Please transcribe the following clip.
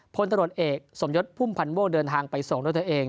พลตรวจเอกสมยศพุ่มพันธ์ม่วงเดินทางไปส่งด้วยตัวเอง